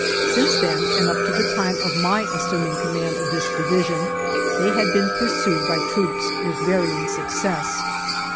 " Since then, and up to the time of my as suming command of this division, they had been pursued by troops with varying suc cess.